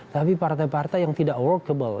tapi partai partai yang tidak workable